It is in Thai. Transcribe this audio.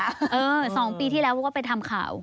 เออสองปีที่แล้วก็ไปทำข่าว